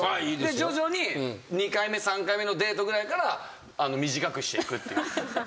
で徐々に２回目３回目のデートぐらいから短くしていくっていう。